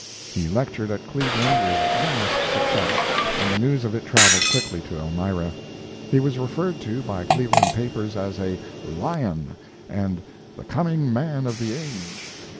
He lectured at Cleveland with vast success, and the news of it traveled quickly to Elmira. He was referred to by Cleveland papers as a "lion" and "the coming man of the age."